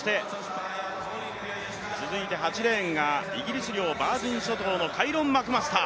続いて８レーンがイギリス領ヴァージン諸島のカイロン・マクマスター。